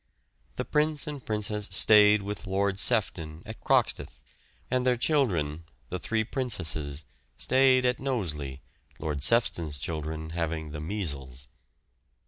The Prince and Princess stayed with Lord Sefton at Croxteth, and their children, the three Princesses, stayed at Knowsley, Lord Sefton's children having the measles.